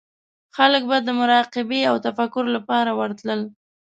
خلک به د مراقبې او تفکر لپاره ورتلل.